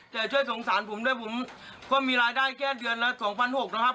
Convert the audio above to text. แต่ช่วยสงสารผมด้วยผมก็มีรายได้แค่เดือนละ๒๖๐๐นะครับ